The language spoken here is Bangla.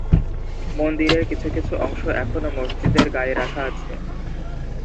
মন্দিরের কিছু কিছু অংশ এখনো মসজিদের গায়ে রাখা আছে।